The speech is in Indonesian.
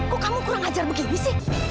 kok kamu kurang ajar begini sih